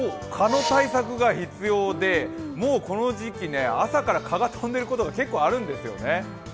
蚊の対策が必要で朝から蚊が飛んでいることが結構あるんですよね。